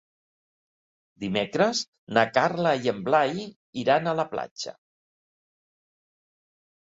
Dimecres na Carla i en Blai iran a la platja.